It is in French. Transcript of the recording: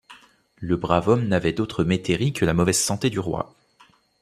Le brave homme n’avait d’autre métairie que la mauvaise santé du roi.